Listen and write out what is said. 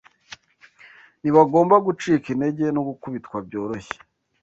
Ntibagomba gucika intege no gukubitwa byoroshye